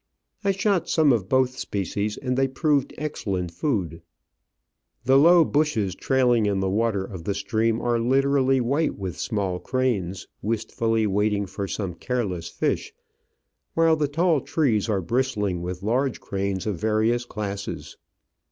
I shot some of both species, and they proved excellent food. Digitized by V:iOOQIC 84 Travels and Adventures The low bushes trailing in the water of the stream are literally white with small cranes, wistfully waiting for some careless fish, while the tall trees are bristling with large cranes of various classes.